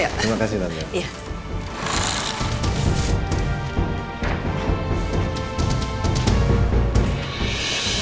terima kasih tanda